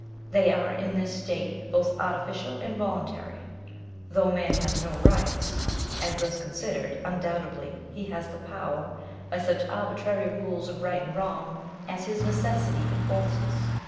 They are, in this state, both artificial and voluntary. Though man has no rights, as thus considered, undoubtedly he has the power, by such arbitrary rules of right and wrong as his necessity enforces."